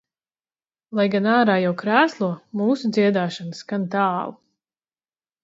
Lai gan ārā jau krēslo, mūsu dziedāšana skan tālu.